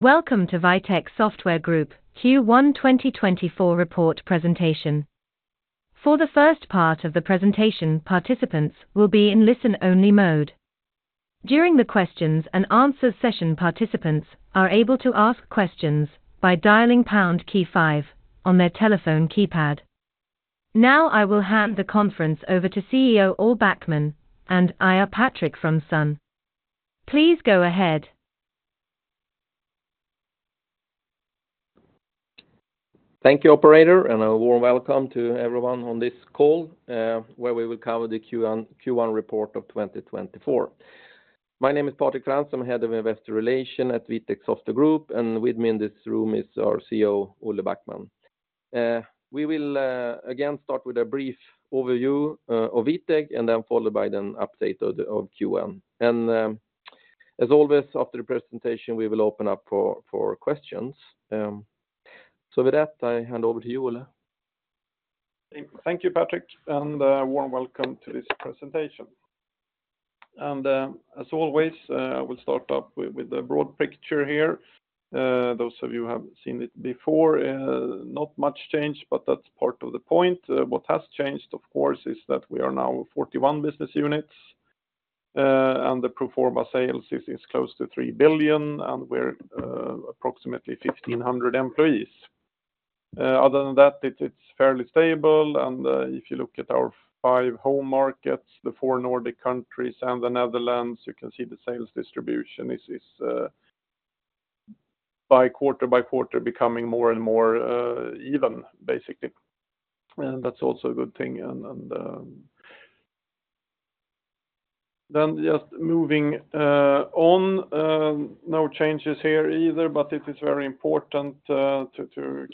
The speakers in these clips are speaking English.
Welcome to Vitec Software Group Q1 2024 report presentation. For the first part of the presentation, participants will be in listen-only mode. During the questions and answers session, participants are able to ask questions by dialing pound key 5 on their telephone keypad. Now I will hand the conference over to CEO Olle Backman and IR Patrik Fransson. Please go ahead. Thank you, operator, and a warm welcome to everyone on this call, where we will cover the Q1 report of 2024. My name is Patrik Fransson, I'm Head of Investor Relations at Vitec Software Group, and with me in this room is our CEO Olle Backman. We will, again start with a brief overview, of Vitec and then followed by an update of the Q1. As always, after the presentation, we will open up for questions. With that, I hand over to you, Olle. Thank you, Patrik, and warm welcome to this presentation. As always, I will start up with, with the broad picture here. Those of you have seen it before, not much changed, but that's part of the point. What has changed, of course, is that we are now 41 business units. And the pro forma sales is close to 3 billion, and we're approximately 1,500 employees. Other than that, it's fairly stable. If you look at our five home markets, the four Nordic countries and the Netherlands, you can see the sales distribution is, by quarter by quarter becoming more and more even, basically. And that's also a good thing. And then just moving on, no changes here either, but it is very important to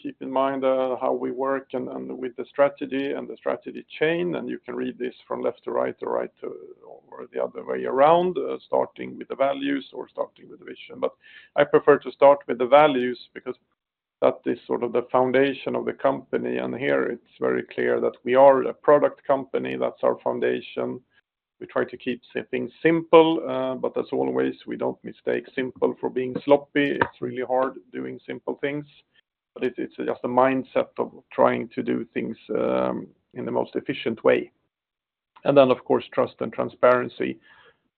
keep in mind how we work and with the strategy and the strategy chain. You can read this from left to right or right to or the other way around, starting with the values or starting with the vision. I prefer to start with the values because that is sort of the foundation of the company. Here it's very clear that we are a product company. That's our foundation. We try to keep things simple, but as always, we don't mistake simple for being sloppy. It's really hard doing simple things. But it's, it's just a mindset of trying to do things, in the most efficient way. Then, of course, trust and transparency.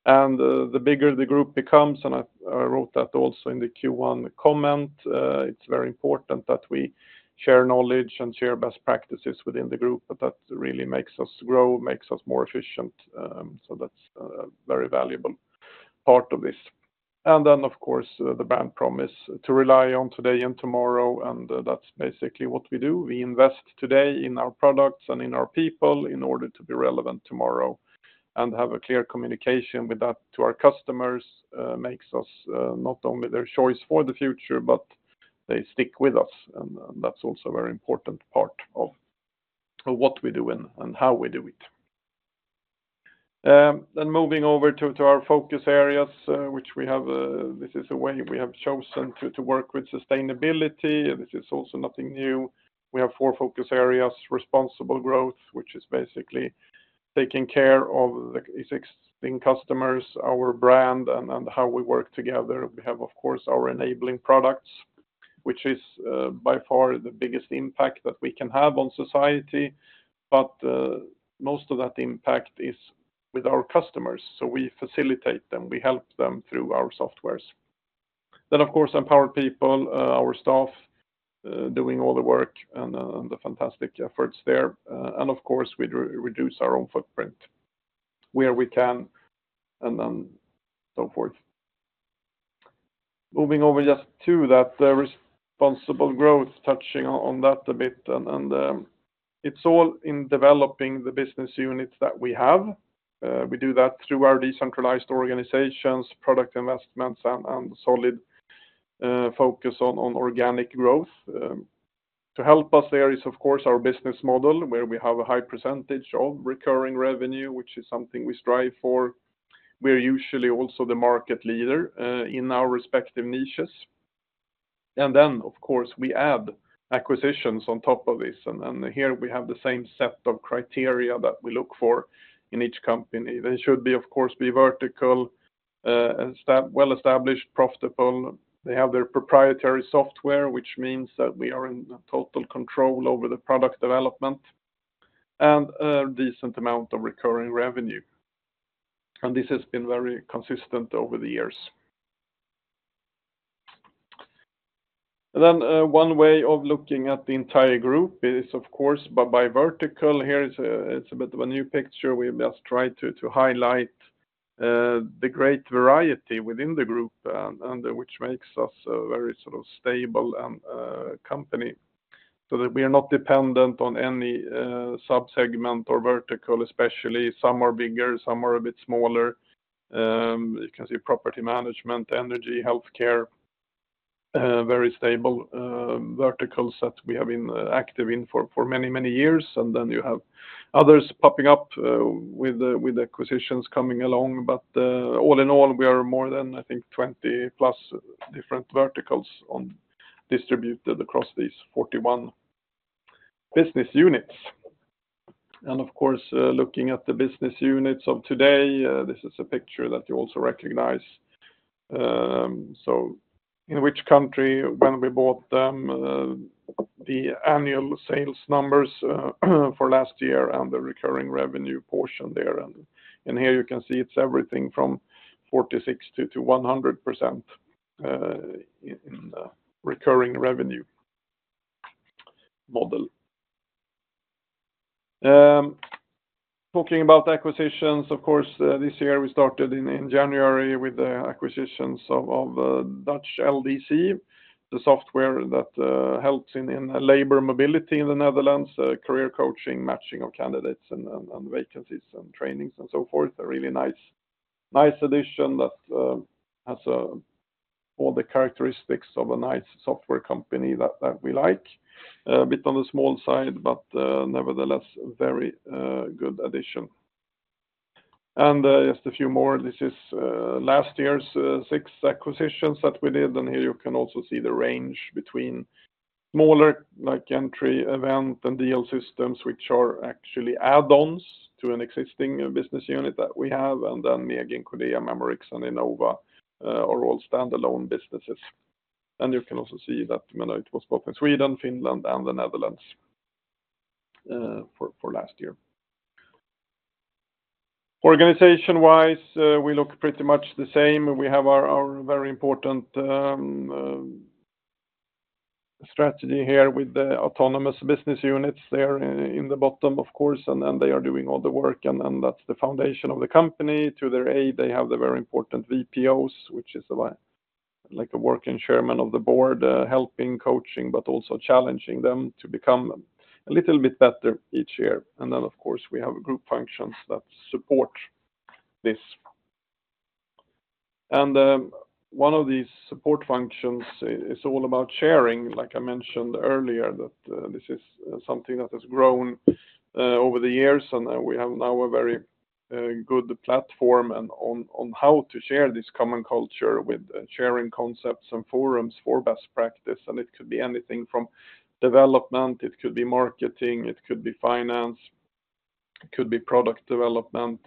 The bigger the group becomes, and I, I wrote that also in the Q1 comment, it's very important that we share knowledge and share best practices within the group, but that really makes us grow, makes us more efficient. So that's a very valuable part of this. Then, of course, the brand promise to rely on today and tomorrow. That's basically what we do. We invest today in our products and in our people in order to be relevant tomorrow and have a clear communication with that to our customers, makes us not only their choice for the future, but they stick with us. And that's also a very important part of what we do and how we do it. Then moving over to our focus areas, which we have, this is a way we have chosen to work with sustainability. This is also nothing new. We have four focus areas: responsible growth, which is basically taking care of the existing customers, our brand, and how we work together. We have, of course, our enabling products, which is, by far the biggest impact that we can have on society. But most of that impact is with our customers. So we facilitate them. We help them through our software. Then, of course, empower people, our staff, doing all the work and the fantastic efforts there. And of course, we reduce our own footprint where we can and then so forth. Moving over just to that, responsible growth, touching on that a bit. And it's all in developing the business units that we have. We do that through our decentralized organizations, product investments, and solid focus on organic growth. To help us there is, of course, our business model where we have a high percentage of recurring revenue, which is something we strive for. We're usually also the market leader in our respective niches. Then, of course, we add acquisitions on top of this. Here we have the same set of criteria that we look for in each company. They should be, of course, vertical, well-established, profitable. They have their proprietary software, which means that we are in total control over the product development and a decent amount of recurring revenue. And this has been very consistent over the years. Then, one way of looking at the entire group is, of course, by vertical. Here it's a bit of a new picture. We just try to highlight the great variety within the group, and which makes us a very sort of stable and company so that we are not dependent on any subsegment or vertical, especially. Some are bigger. Some are a bit smaller. You can see property management, energy, healthcare, very stable verticals that we have been active in for, for many, many years. And then you have others popping up, with, with acquisitions coming along. But, all in all, we are more than, I think, 20+ different verticals distributed across these 41 business units. And of course, looking at the business units of today, this is a picture that you also recognize, so in which country, when we bought them, the annual sales numbers, for last year and the recurring revenue portion there. And, and here you can see it's everything from 46%-100%, in, in, recurring revenue model. Talking about acquisitions, of course, this year we started in January with the acquisitions of Dutch LDC, the software that helps in labor mobility in the Netherlands, career coaching, matching of candidates and vacancies and trainings and so forth. A really nice addition that has all the characteristics of a nice software company that we like, a bit on the small side, but nevertheless very good addition. Just a few more. This is last year's six acquisitions that we did. And here you can also see the range between smaller, like, Entry Event and DL Systems, which are actually add-ons to an existing business unit that we have. And then Megin, Kodia, Memorix, and Enova, are all standalone businesses. And you can also see that, you know, it was both in Sweden, Finland, and the Netherlands, for last year. Organization-wise, we look pretty much the same. We have our very important strategy here with the autonomous business units there in the bottom, of course. And they are doing all the work. And that's the foundation of the company. To their aid, they have the very important VPOs, which is like a working chairman of the board, helping, coaching, but also challenging them to become a little bit better each year. And then, of course, we have group functions that support this. And one of these support functions is all about sharing, like I mentioned earlier, that this is something that has grown over the years. And we have now a very good platform on how to share this common culture with sharing concepts and forums for best practice. And it could be anything from development. It could be marketing. It could be finance. It could be product development,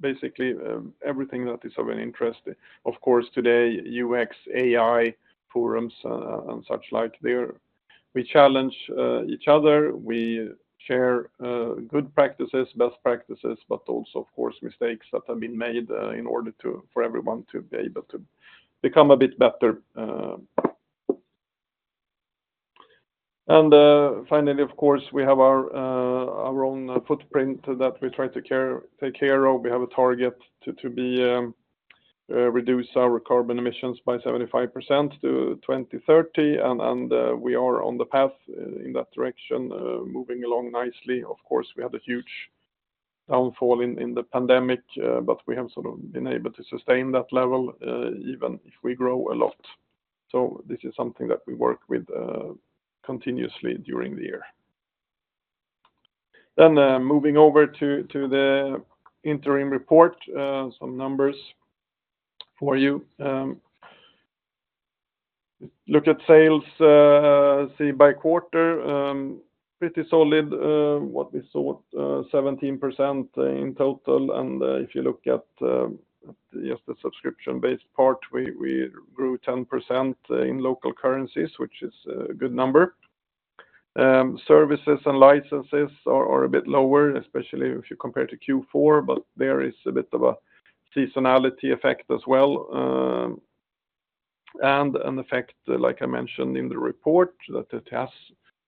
basically everything that is of interest. Of course, today, UX, AI forums, and such like, there we challenge each other. We share good practices, best practices, but also, of course, mistakes that have been made, in order for everyone to be able to become a bit better. Finally, of course, we have our own footprint that we try to take care of. We have a target to reduce our carbon emissions by 75% to 2030. And we are on the path in that direction, moving along nicely. Of course, we had a huge downfall in the pandemic, but we have sort of been able to sustain that level, even if we grow a lot. So this is something that we work with continuously during the year. Then, moving over to the interim report, some numbers for you. Look at sales, see by quarter, pretty solid, what we saw, 17% in total. And if you look at just the subscription-based part, we grew 10% in local currencies, which is a good number. Services and licenses are a bit lower, especially if you compare to Q4, but there is a bit of a seasonality effect as well, and an effect, like I mentioned in the report, that it has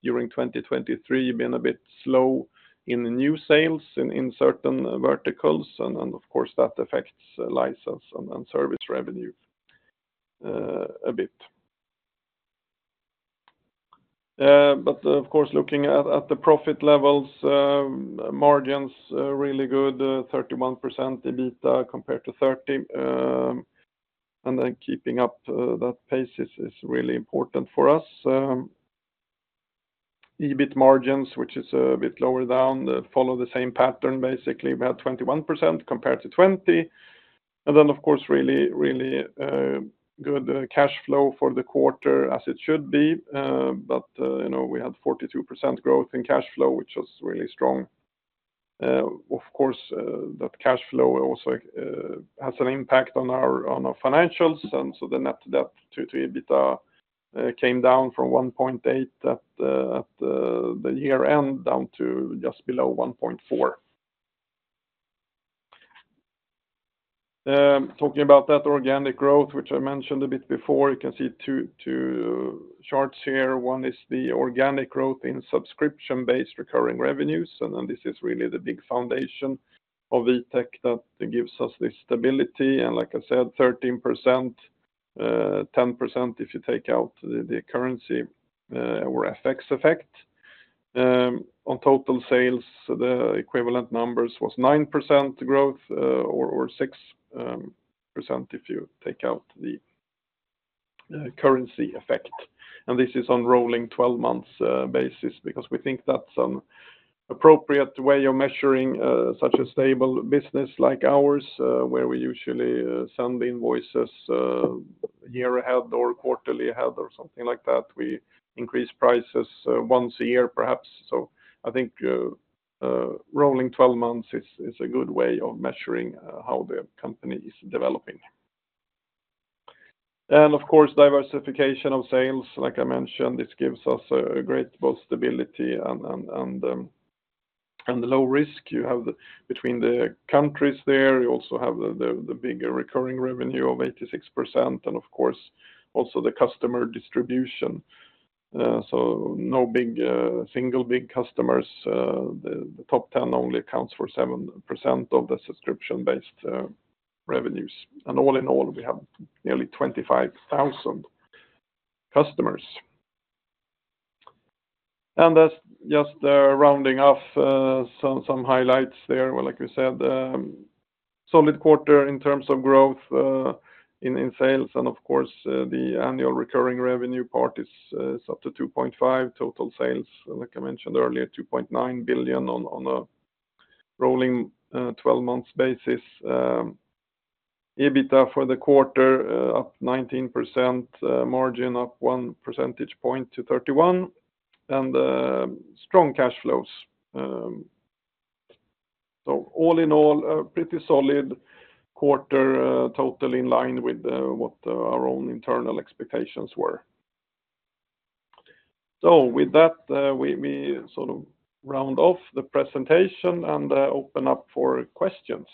during 2023 been a bit slow in new sales in certain verticals. And of course, that affects license and service revenue a bit. But of course, looking at the profit levels, margins, really good, 31% EBITDA compared to 30%. And then keeping up that pace is really important for us. EBIT margins, which is a bit lower down, follow the same pattern, basically. We had 21% compared to 20%. And then, of course, really, really, good cash flow for the quarter as it should be. But, you know, we had 42% growth in cash flow, which was really strong. Of course, that cash flow also has an impact on our financials. And so the net debt to EBITDA came down from 1.8 at the year end down to just below 1.4. Talking about that organic growth, which I mentioned a bit before, you can see two charts here. One is the organic growth in subscription-based recurring revenues. And then this is really the big foundation of Vitec that gives us this stability. And like I said, 13%, 10% if you take out the currency, or FX effect. On total sales, the equivalent numbers was 9% growth, or, or 6% if you take out the currency effect. And this is on rolling 12-month basis because we think that's an appropriate way of measuring such a stable business like ours, where we usually send invoices year ahead or quarterly ahead or something like that. We increase prices once a year, perhaps. So I think rolling 12 months is a good way of measuring how the company is developing. And of course, diversification of sales, like I mentioned, this gives us a great both stability and low risk. You have the between the countries there. You also have the bigger recurring revenue of 86%. And of course, also the customer distribution, so no big single big customers. The top 10 only accounts for 7% of the subscription-based revenues. And all in all, we have nearly 25,000 customers. And that's just, rounding up, some highlights there. Well, like we said, solid quarter in terms of growth, in sales. And of course, the annual recurring revenue part is up to 2.5 billion, total sales, like I mentioned earlier, 2.9 billion on a rolling 12-month basis. EBITDA for the quarter, up 19%, margin up one percentage point to 31%, and strong cash flows. So all in all, a pretty solid quarter, total in line with what our own internal expectations were. So with that, we sort of round off the presentation and open up for questions.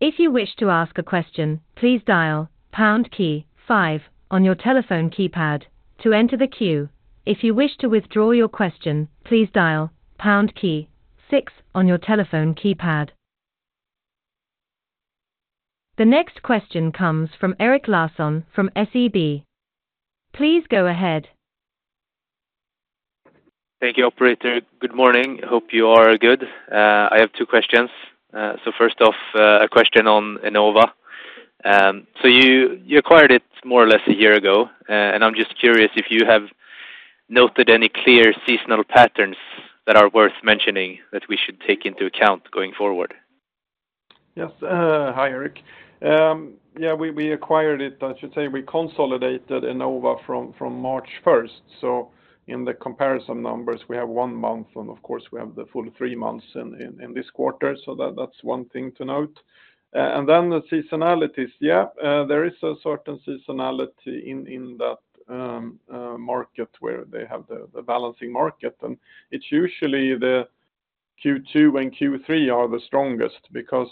If you wish to ask a question, please dial pound key 5 on your telephone keypad to enter the queue. If you wish to withdraw your question, please dial pound key 6 on your telephone keypad. The next question comes from Erik Larsson from SEB. Please go ahead. Thank you, operator. Good morning. Hope you are good. I have two questions. So first off, a question on Enova. So you, you acquired it more or less a year ago. And I'm just curious if you have noted any clear seasonal patterns that are worth mentioning that we should take into account going forward. Yes. Hi, Erik. Yeah, we acquired it. I should say we consolidated Enova from March 1st. So in the comparison numbers, we have one month. And of course, we have the full three months in this quarter. So that's one thing to note. And then the seasonalities. Yeah, there is a certain seasonality in that market where they have the balancing market. And it's usually the Q2 and Q3 are the strongest because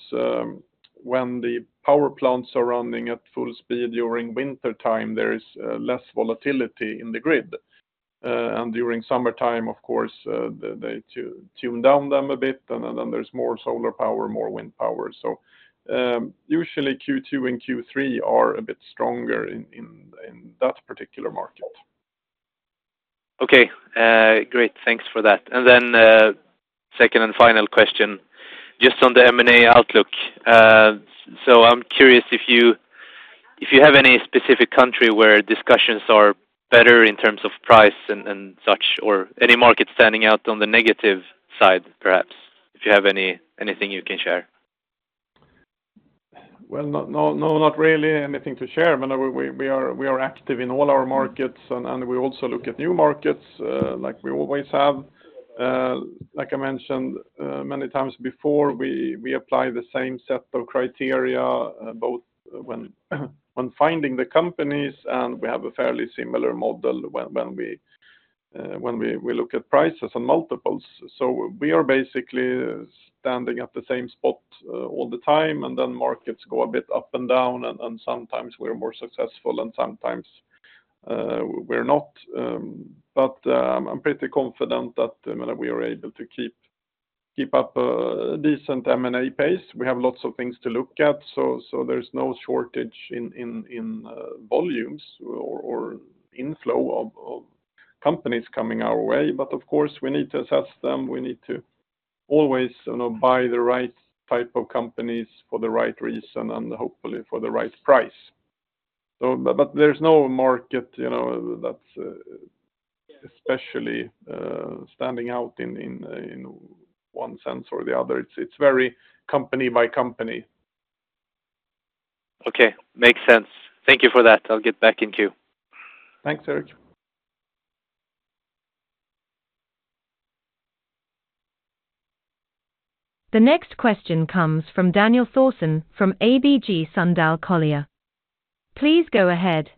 when the power plants are running at full speed during wintertime, there is less volatility in the grid. And during summertime, of course, they tune down them a bit. And then there's more solar power, more wind power. So usually Q2 and Q3 are a bit stronger in that particular market. Okay. Great. Thanks for that. And then, second and final question just on the M&A outlook. So I'm curious if you have any specific country where discussions are better in terms of price and such, or any market standing out on the negative side, perhaps, if you have anything you can share. Well, no, no, no, not really anything to share. I mean, we are active in all our markets. And we also look at new markets, like we always have. Like I mentioned many times before, we apply the same set of criteria, both when finding the companies. And we have a fairly similar model when we look at prices and multiples. So we are basically standing at the same spot all the time. And then markets go a bit up and down. And sometimes we're more successful and sometimes we're not. But I'm pretty confident that, I mean, we are able to keep up a decent M&A pace. We have lots of things to look at. So there's no shortage in volumes or inflow of companies coming our way. Of course, we need to assess them. We need to always, you know, buy the right type of companies for the right reason and hopefully for the right price. But there's no market, you know, that's especially standing out in one sense or the other. It's very company by company. Okay. Makes sense. Thank you for that. I'll get back in queue. Thanks, Eric. The next question comes from Daniel Thorsson from ABG Sundal Collier. Please go ahead.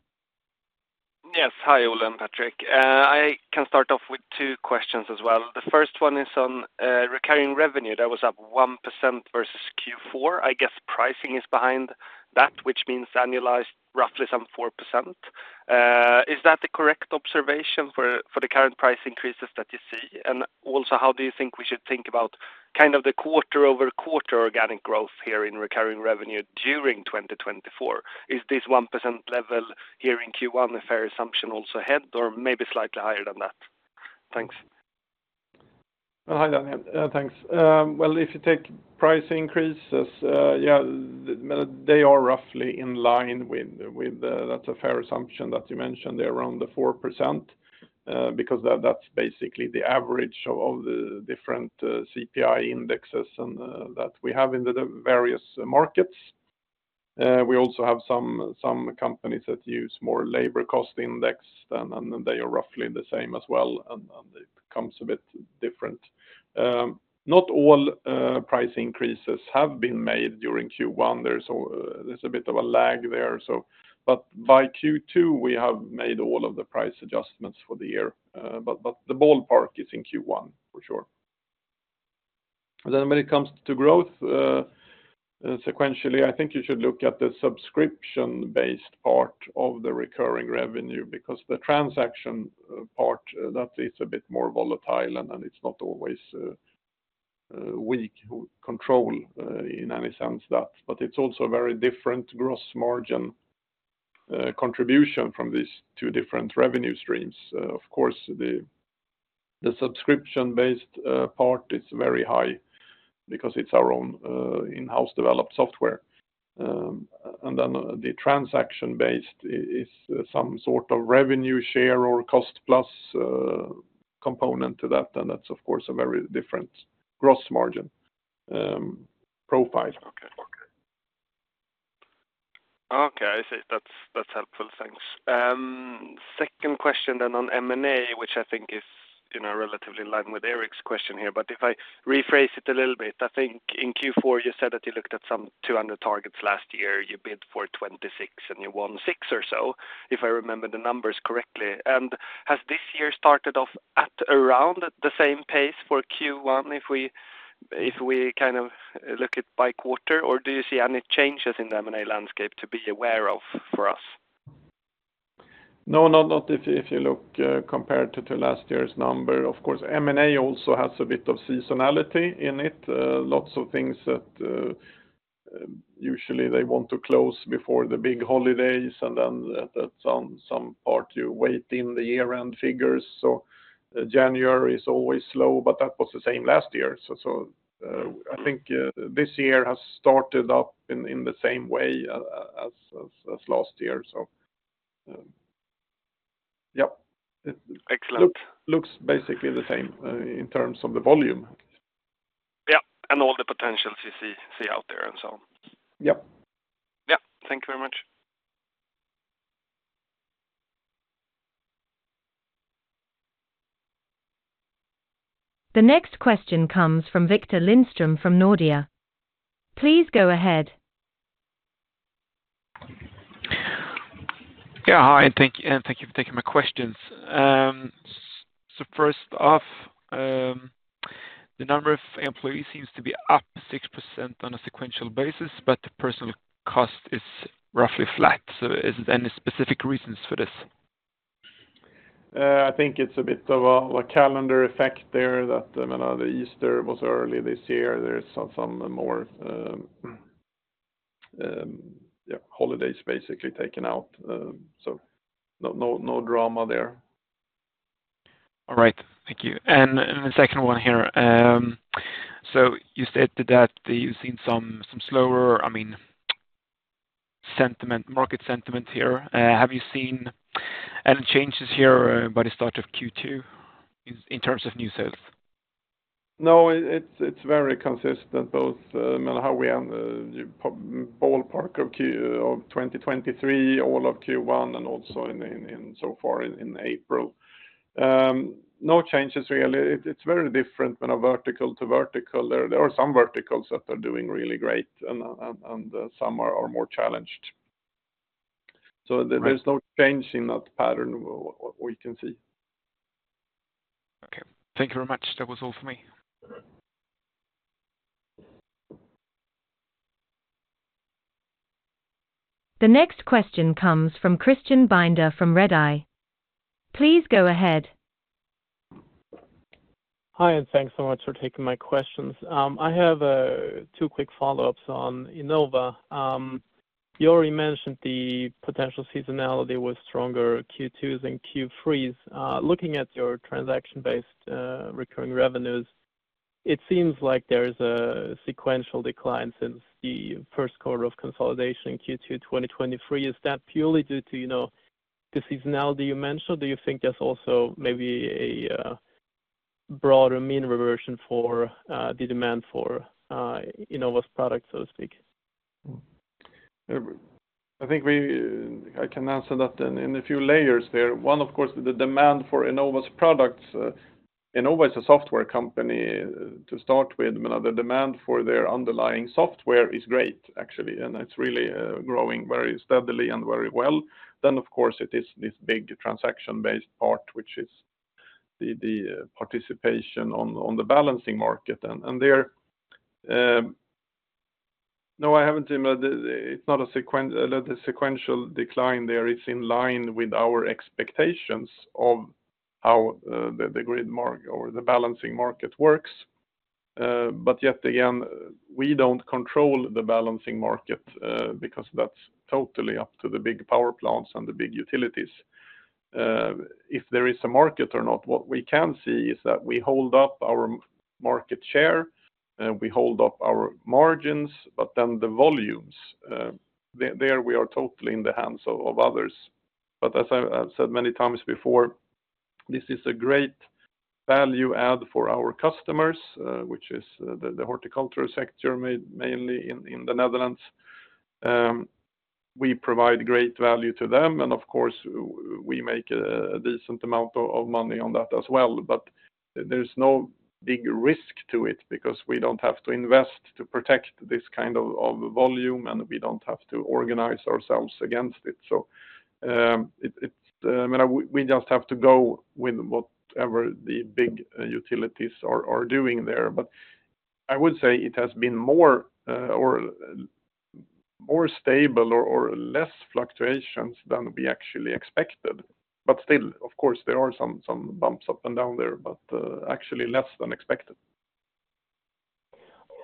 Yes. Hi, Olle and Patrik. I can start off with two questions as well. The first one is on recurring revenue. That was up 1% versus Q4. I guess pricing is behind that, which means annualized roughly some 4%. Is that the correct observation for the current price increases that you see? And also, how do you think we should think about kind of the quarter-over-quarter organic growth here in recurring revenue during 2024? Is this 1% level here in Q1 a fair assumption also ahead or maybe slightly higher than that? Thanks. Well, hi, Daniel. Thanks. Well, if you take price increases, yeah, I mean, they are roughly in line with, that's a fair assumption that you mentioned. They're around the 4%, because that's basically the average of the different CPI indexes and that we have in the various markets. We also have some companies that use more labor cost index than, and then they are roughly the same as well. And it comes a bit different. Not all price increases have been made during Q1. There's a bit of a lag there. But by Q2, we have made all of the price adjustments for the year. But the ballpark is in Q1 for sure. And then when it comes to growth, sequentially, I think you should look at the subscription-based part of the recurring revenue because the transaction part, that is a bit more volatile. And it's not always weak control in any sense that. But it's also a very different gross margin contribution from these two different revenue streams. Of course, the subscription-based part is very high because it's our own in-house developed software. And then the transaction-based is some sort of revenue share or cost-plus component to that. And that's, of course, a very different gross margin profile. Okay. Okay. Okay. I see. That's, that's helpful. Thanks. Second question then on M&A, which I think is, you know, relatively in line with Erik's question here. But if I rephrase it a little bit, I think in Q4, you said that you looked at some 200 targets last year. You bid for 26 and you won 6 or so, if I remember the numbers correctly. And has this year started off at around the same pace for Q1 if we if we kind of look at by quarter? Or do you see any changes in the M&A landscape to be aware of for us? No, not if you look compared to last year's number. Of course, M&A also has a bit of seasonality in it. Lots of things that usually they want to close before the big holidays. And then at some part, you wait in the year-end figures. So, January is always slow. But that was the same last year. So, I think this year has started up in the same way as last year. So, yeah. Excellent. Looks, looks basically the same, in terms of the volume. Yeah. All the potentials you see out there and so. Yep. Yeah. Thank you very much. The next question comes from Viktor Lindström from Nordea. Please go ahead. Yeah. Hi. Thank you and thank you for taking my questions. So first off, the number of employees seems to be up 6% on a sequential basis. But the personnel cost is roughly flat. So is there any specific reasons for this? I think it's a bit of a calendar effect there that, I mean, the Easter was early this year. There's some more, yeah, holidays basically taken out. So no, no, no drama there. All right. Thank you. And the second one here. So you stated that you've seen some slower, I mean, market sentiment here. Have you seen any changes here by the start of Q2 in terms of new sales? No. It's very consistent both, I mean, how we end the ballpark of Q4 of 2023, all of Q1, and also so far in April. No changes really. It's very different, I mean, vertical to vertical. There are some verticals that are doing really great. And some are more challenged. So there's no change in that pattern we can see. Okay. Thank you very much. That was all for me. The next question comes from Christian Binder from Redeye. Please go ahead. Hi. And thanks so much for taking my questions. I have two quick follow-ups on Enova. You already mentioned the potential seasonality with stronger Q2s and Q3s. Looking at your transaction-based recurring revenues, it seems like there is a sequential decline since the first quarter of consolidation in Q2 2023. Is that purely due to, you know, the seasonality you mentioned? Do you think there's also maybe a broader mean reversion for the demand for Enova's products, so to speak? I think I can answer that in a few layers there. One, of course, the demand for Enova's products. Enova is a software company to start with. I mean, the demand for their underlying software is great, actually. And it's really growing very steadily and very well. Then, of course, it is this big transaction-based part, which is the participation on the balancing market. And there, no, I haven't seen it's not a sequential decline there. It's in line with our expectations of how the balancing market works. But yet again, we don't control the balancing market, because that's totally up to the big power plants and the big utilities. If there is a market or not, what we can see is that we hold up our market share. We hold up our margins. But then the volumes there, we are totally in the hands of others. But as I have said many times before, this is a great value add for our customers, which is the horticulture sector mainly in the Netherlands. We provide great value to them. And of course, we make a decent amount of money on that as well. But there's no big risk to it because we don't have to invest to protect this kind of volume. And we don't have to organize ourselves against it. So, it's I mean, we just have to go with whatever the big utilities are doing there. But I would say it has been more stable or less fluctuations than we actually expected. But still, of course, there are some bumps up and down there, but actually less than expected.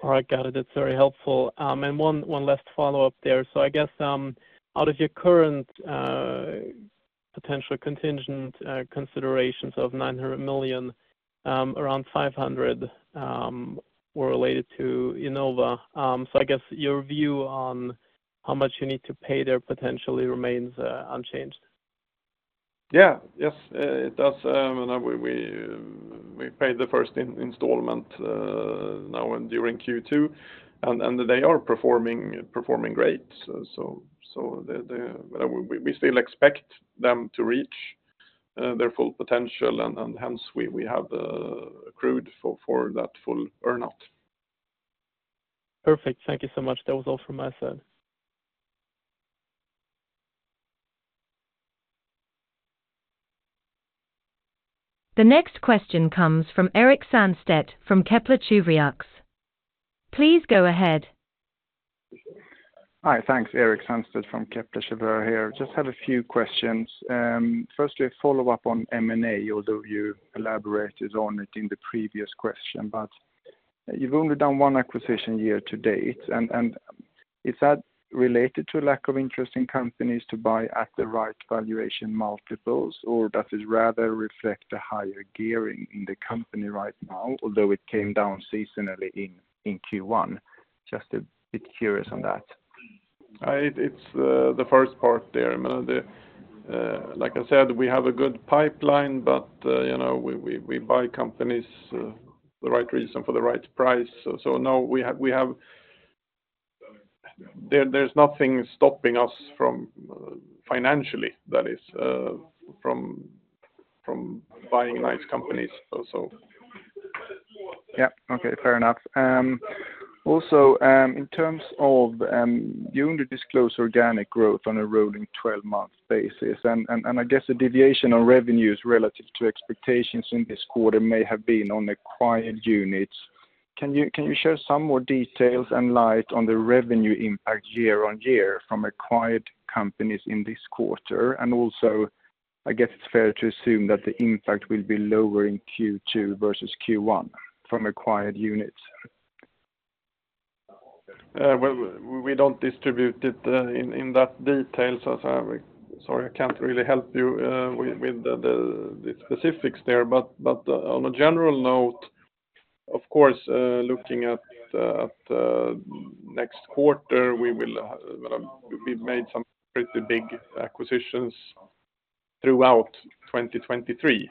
All right. Got it. That's very helpful. One last follow-up there. I guess, out of your current, potential contingent, considerations of 900 million, around 500 million, were related to Enova. I guess your view on how much you need to pay there potentially remains unchanged. Yeah. Yes, it does. I mean, we paid the first installment now and during Q2. And they are performing great. So, the—I mean, we still expect them to reach their full potential. And hence, we have accrued for that full earnout. Perfect. Thank you so much. That was all from my side. The next question comes from Erik Sandstedt from Kepler Cheuvreux. Please go ahead. Hi. Thanks. Erik Sandstedt from Kepler Cheuvreux here. Just have a few questions. Firstly, a follow-up on M&A, although you elaborated on it in the previous question. But you've only done one acquisition year to date. And is that related to lack of interest in companies to buy at the right valuation multiples? Or does it rather reflect a higher gearing in the company right now, although it came down seasonally in Q1? Just a bit curious on that. It's the first part there. I mean, like I said, we have a good pipeline. But, you know, we buy companies for the right reason at the right price. So no, we have there; there's nothing stopping us from, financially, that is, from buying nice companies, so. Yeah. Okay. Fair enough. Also, in terms of, you only disclose organic growth on a rolling 12-month basis. And, and, and I guess a deviation on revenues relative to expectations in this quarter may have been on acquired units. Can you, can you share some more details and light on the revenue impact year-on-year from acquired companies in this quarter? And also, I guess it's fair to assume that the impact will be lower in Q2 versus Q1 from acquired units. Well, we don't distribute it in that detail. So sorry. I can't really help you with the specifics there. But on a general note, of course, looking at next quarter, we will. I mean, we've made some pretty big acquisitions throughout 2023.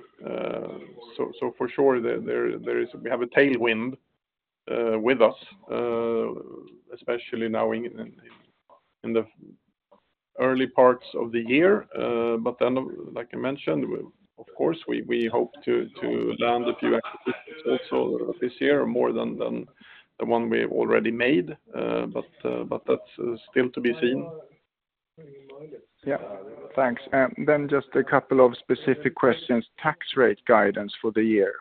So for sure, there is a tailwind with us, especially now in the early parts of the year. But then, like I mentioned, of course, we hope to land a few acquisitions also this year, more than the one we have already made. But that's still to be seen. Yeah. Thanks. And then just a couple of specific questions. Tax rate guidance for the year?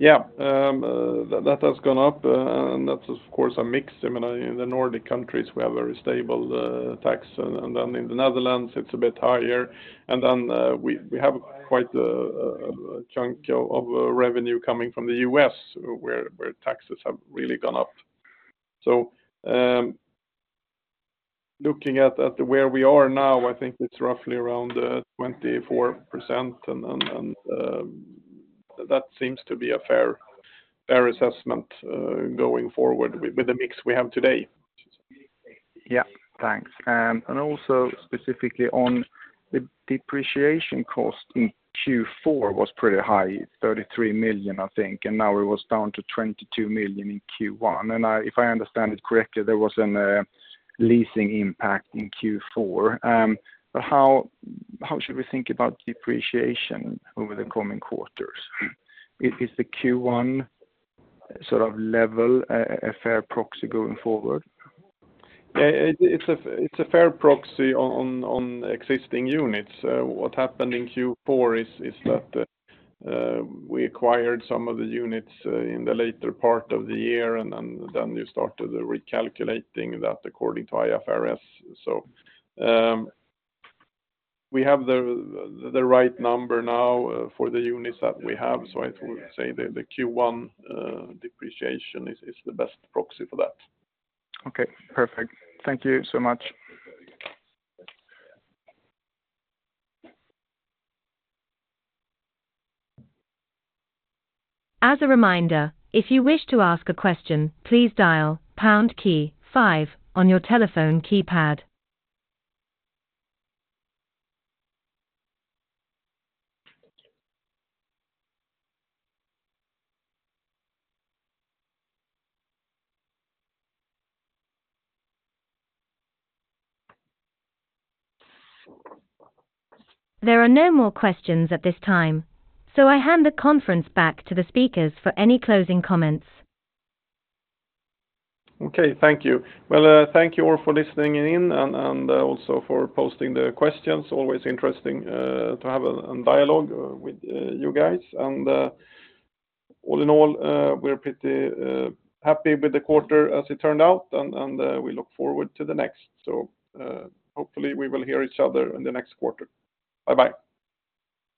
Yeah, that has gone up. And that's, of course, a mix. I mean, in the Nordic countries, we have very stable tax. And then in the Netherlands, it's a bit higher. And then, we have quite a chunk of revenue coming from the U.S. where taxes have really gone up. So, looking at where we are now, I think it's roughly around 24%. And that seems to be a fair assessment, going forward with the mix we have today. Yeah. Thanks. And also specifically on the depreciation cost in Q4 was pretty high, 33 million, I think. And now it was down to 22 million in Q1. And if I understand it correctly, there was an leasing impact in Q4. But how should we think about depreciation over the coming quarters? Is the Q1 sort of level a fair proxy going forward? Yeah. It's a fair proxy on existing units. What happened in Q4 is that we acquired some of the units in the later part of the year. And then you started recalculating that according to IFRS. So, we have the right number now for the units that we have. So I would say the Q1 depreciation is the best proxy for that. Okay. Perfect. Thank you so much. As a reminder, if you wish to ask a question, please dial pound key 5 on your telephone keypad. There are no more questions at this time. So I hand the conference back to the speakers for any closing comments. Okay. Thank you. Well, thank you all for listening in and also for posting the questions. Always interesting to have a dialogue with you guys. And all in all, we're pretty happy with the quarter as it turned out. And we look forward to the next. So, hopefully, we will hear each other in the next quarter. Bye-bye.